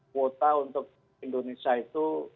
kuota untuk indonesia itu